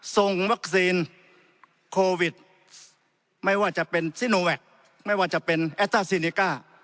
ส่งวัคซีนโควิดไม่ว่าจะเป็นซิโนแวคไม่ว่าจะเป็นแอตต้าซีเนก้า